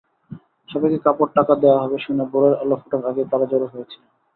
সবাইকে কাপড়-টাকা দেওয়া হবে শুনে ভোরের আলো ফোটার আগেই তাঁরা জড়ো হয়েছিলেন।